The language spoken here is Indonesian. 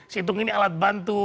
sintung ini alat bantu